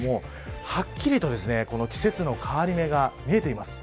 はっきりと季節の変わり目が見えています。